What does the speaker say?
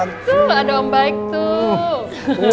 tuh ada yang baik tuh